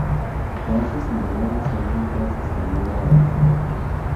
Francis MacDonald se unió entonces de nuevo a la banda.